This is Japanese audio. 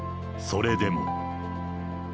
それでも。